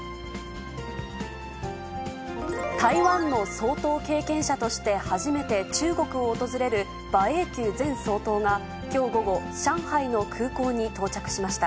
台湾の総統経験者として初めて、中国を訪れる馬英九前総統が、きょう午後、上海の空港に到着しました。